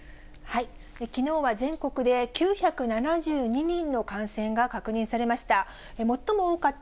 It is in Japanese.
きのうは全国で９７２人の感染が確認されました。